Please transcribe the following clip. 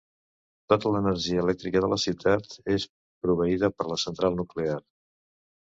Tota l'energia elèctrica de la ciutat és proveïda per la central nuclear.